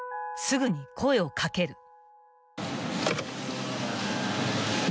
［すぐに声を掛ける］